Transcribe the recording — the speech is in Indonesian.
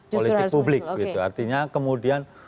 politik publik artinya kemudian